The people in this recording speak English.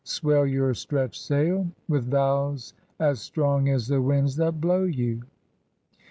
Swell your stretched sail. With vows as strong As the winds that blow you.